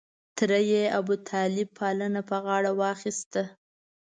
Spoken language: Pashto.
تره یې ابوطالب پالنه په غاړه واخسته.